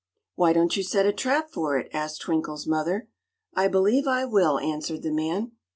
"Why don't you set a trap for it?" asked Twinkle's mother. "I believe I will," answered the man.